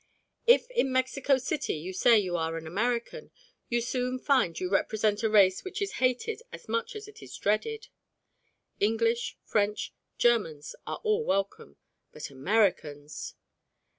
If in Mexico City you say you are an American, you soon find you represent a race which is hated as much as it is dreaded. English, French, Germans are all welcome, but Americans!...